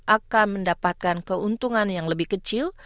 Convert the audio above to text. akan mendapatkan keuntungan yang lebih kecil